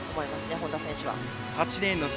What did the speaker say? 本多選手は。